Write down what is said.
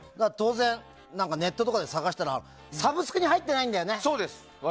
ネットとかで探したらサブスクに入ってないんだよね。